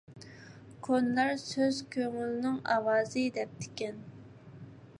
كونىلار: «سۆز كۆڭۈلنىڭ ئاۋازى» دەپتىكەن.